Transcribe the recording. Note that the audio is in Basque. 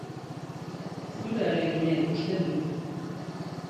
Zure ahalegina ikusten dut.